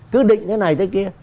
cứ định cái này thế kia